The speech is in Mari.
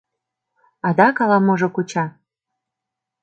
Адак ала-можо куча.